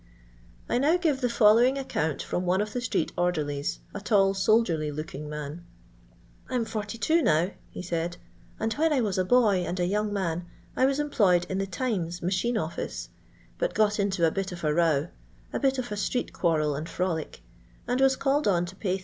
I now give the following account from one of the street orderlies, a tall, soldierly looking man :—" I *m 42 now," he said, " and when I was a boy and a young man I was employed in the Times machine office, but got into a bit of a row — a bit of a street quarrel and hoWc, and wai called on to pay 3